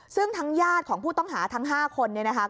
ซึ่งทั้งญาติของผู้ต้องหาทั้ง๕คนเนี่ยนะคะ